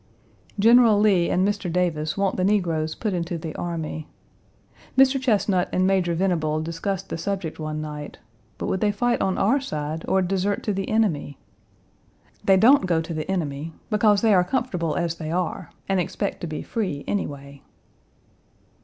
General Lee and Mr. Davis want the negroes put into the army. Mr. Chesnut and Major Venable discussed the subject one night, but would they fight on our side or desert to the enemy? They don't go to the enemy, because they are comfortable as they are, and expect to be free anyway.